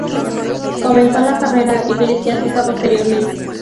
Comenzó la carrera eclesiástica posteriormente.